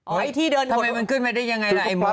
ไอ้ที่เดินทำไมมันขึ้นมาได้อย่างไรล่ะไอ้หมู